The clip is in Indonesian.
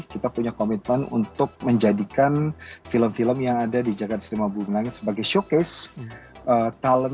kita punya komitmen untuk menjadikan film film yang ada di jagad stema bunga ini sebagai showcase talent